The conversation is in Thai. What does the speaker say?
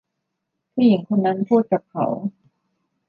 ผู้หญิงคนนั้นพูดกับเขา